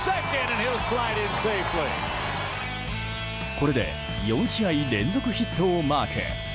これで４試合連続ヒットをマーク。